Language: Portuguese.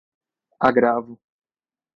agravo